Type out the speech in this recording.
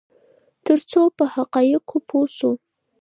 ترڅو په حقایقو پوه شو.